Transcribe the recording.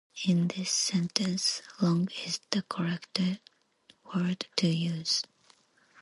In this sentence, "long" is the correct word to use.